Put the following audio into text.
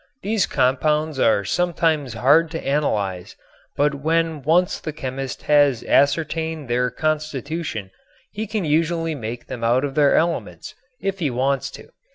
These compounds are sometimes hard to analyze, but when once the chemist has ascertained their constitution he can usually make them out of their elements if he wants to.